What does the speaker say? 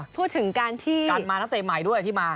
พูดถึงการมาทะเตยใหม่ที่มา